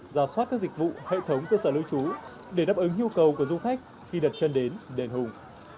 giả soát các dịch vụ hệ thống cơ sở lưu trú để đáp ứng nhu cầu của du khách khi đặt chân đến đền hùng